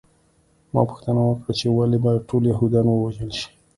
ما پوښتنه وکړه چې ولې باید ټول یهودان ووژل شي